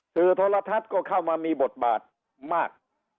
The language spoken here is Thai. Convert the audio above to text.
สื่อโทรทัศน์ก็เข้ามามีบทบาทมาก